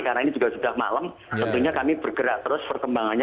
karena ini juga sudah malam tentunya kami bergerak terus perkembangannya